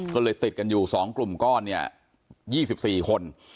ก็เลยติดกันอยู่๒กลุ่มก้อนเนี่ย๒๔คน